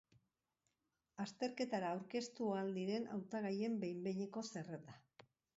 Azterketara aurkeztu ahal diren hautagaien behin-behineko zerrenda.